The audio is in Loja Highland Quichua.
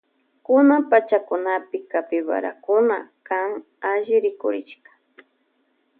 Kunan pachakunapi capibarakuna kan alli rikurishka.